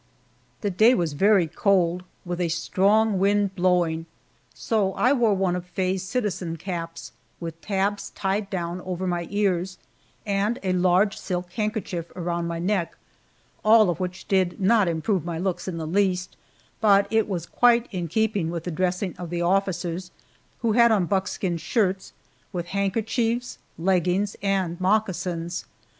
The day was very cold, with a strong wind blowing, so I wore one of Faye's citizen caps, with tabs tied down over my ears, and a large silk handkerchief around my neck, all of which did not improve my looks in the least, but it was quite in keeping with the dressing of the officers, who had on buckskin shirts, with handkerchiefs, leggings, and moccasins.